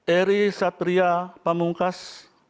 eri satria pamungkas